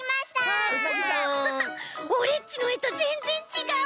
アハハオレっちのえとぜんぜんちがう。